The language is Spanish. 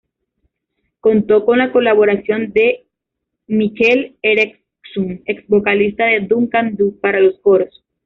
Contó con la colaboración de Mikel Erentxun, ex-vocalista de Duncan Dhu, para los coros.